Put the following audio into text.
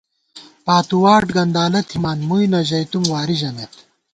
پاتُو واٹ گندالہ تھِمان ، مُوئی نہ ژَئیتُم وارِی ژَمېت